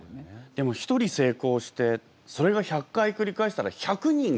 でも一人成功してそれが１００回繰り返したら１００人が。